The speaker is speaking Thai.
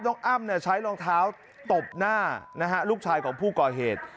อ้ำใช้รองเท้าตบหน้านะฮะลูกชายของผู้ก่อเหตุ